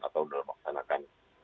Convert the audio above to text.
atau dalam memaksanakan